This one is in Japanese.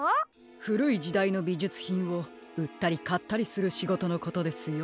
ふるいじだいのびじゅつひんをうったりかったりするしごとのことですよ。